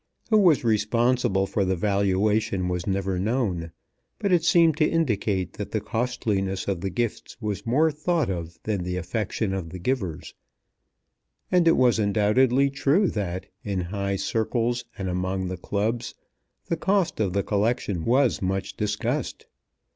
Who was responsible for the valuation was never known, but it seemed to indicate that the costliness of the gifts was more thought of than the affection of the givers; and it was undoubtedly true that, in high circles and among the clubs, the cost of the collection was much discussed.